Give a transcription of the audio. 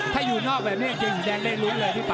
ถ้าอยู่นอกแบบนี้เกงสีแดงได้ลุ้นเลยพี่ต่อ